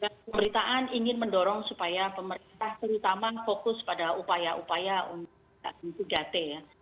pemerintahan ingin mendorong supaya pemerintah terutama fokus pada upaya upaya untuk tiga t ya